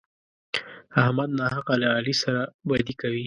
احمد ناحقه له علي سره بدي کوي.